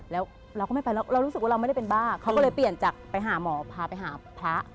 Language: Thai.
แล้วเราก็ไม่ไปแล้วเรารู้สึกว่าเราไม่ได้เป็นบ้าเขาก็เลยเปลี่ยนจากไปหาหมอพาไปหาพระ